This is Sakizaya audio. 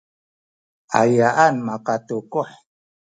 ayaan makatukuh?